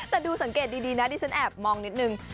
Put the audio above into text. แต่ดูสังเกตดีนะดิฉันแอบมองนิดนึง